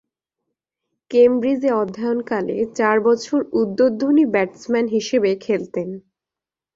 কেমব্রিজে অধ্যয়নকালে চার বছর উদ্বোধনী ব্যাটসম্যান হিসেবে খেলতেন।